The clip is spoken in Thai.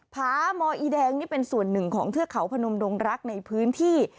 ผามอีแดงนี่เป็นส่วนหนึ่งของเทือกเขาพนมดงรักในพื้นที่